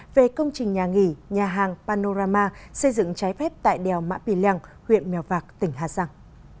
về công trình nhà nghỉ nhà hàng panorama xây dựng trái phép tại đèo mã pì lèng huyện mèo vạc tỉnh hà giang